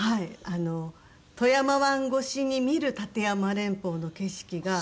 あの富山湾越しに見る立山連峰の景色が。